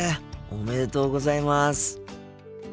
おめでとうございます。